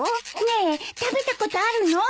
ねえ食べたことあるの？